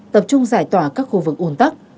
tập trung giải tỏa các khu vực ủn tắc